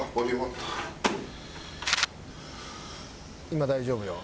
今大丈夫よ。